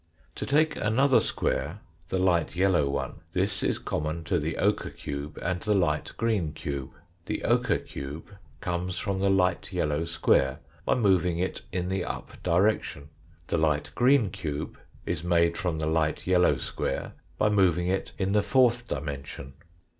To take another square, the light yellow one, this is common to the ochre cube and the light green cube. The ochre cube comes from the light yellow square by moving it in the up direction, the light green cube is made from the light yellow square by moving it in the fourth dimension.